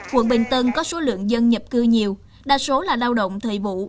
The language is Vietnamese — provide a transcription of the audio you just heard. quận bình tân có số lượng dân nhập cư nhiều đa số là lao động thời vụ